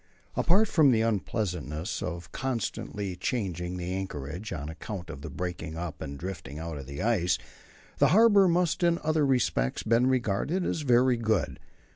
Apart from the unpleasantness of constantly changing the anchorage, on account of the breaking up and drifting out of the ice, the harbour must in other respects be regarded as very good.